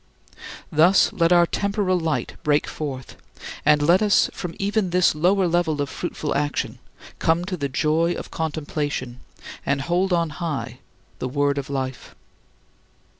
Thus let our temporal light break forth, and let us from even this lower level of fruitful action come to the joy of contemplation and hold on high the Word of Life.